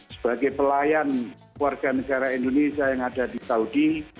sebagai pelayan warga negara indonesia yang ada di saudi